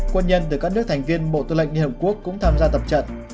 quân nhân từ các nước thành viên bộ tư lệnh liên hợp quốc cũng tham gia tập trận